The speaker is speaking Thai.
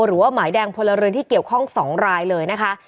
หรือว่าหมายแดงพลเรือนที่เกี่ยวข้อง๒รายเลยนะคะ